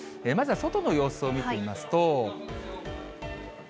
まずは外の様子を見てみますと。